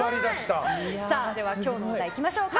では今日のお題行きましょうか。